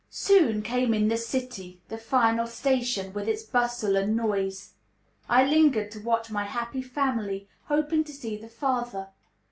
Soon came the city, the final station, with its bustle and noise. I lingered to watch my happy family, hoping to see the father.